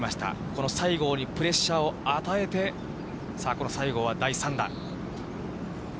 この西郷にプレッシャーを与えて、さあ、この西郷は第３打。